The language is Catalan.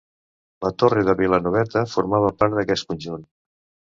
La torre de Vilanoveta formava part d'aquest conjunt.